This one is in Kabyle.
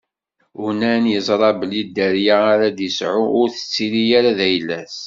Unan iẓra belli dderya ara d-isɛu ur tettili ara d ayla-s.